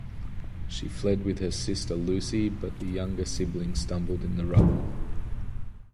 She fled with her sister, Lucy, but the younger sibling stumbled in the rubble.